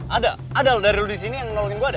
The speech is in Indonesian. ada ada dari lo disini yang nolongin gue ada